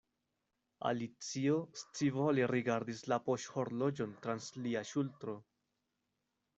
Alicio scivole rigardis la poŝhorloĝon trans lia ŝultro.